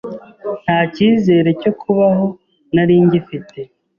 nta cyizere cyo kubaho nari ngifite,